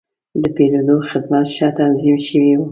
د پیرود خدمت ښه تنظیم شوی و.